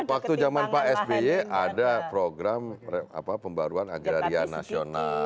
waktu zaman pak sby ada program pembaruan agraria nasional